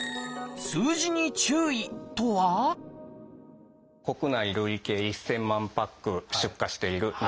「数字に注意」とは「国内累計１，０００万パック出荷している。